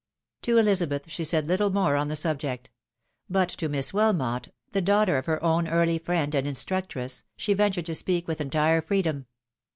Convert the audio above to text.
To Elizabeth she said little more on the subject ; but to Miss Wihnot, the daughter of her own early friend and instructress, she ventured to speak with entii e freedom.